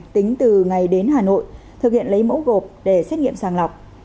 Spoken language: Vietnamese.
tính từ ngày đến hà nội thực hiện lấy mẫu gộp để xét nghiệm sàng lọc